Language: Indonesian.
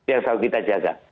yang selalu kita jaga